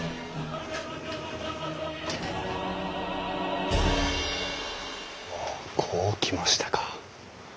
ほうこう来ましたか。